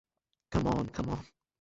Come on, come on.